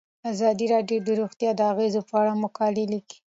ازادي راډیو د روغتیا د اغیزو په اړه مقالو لیکلي.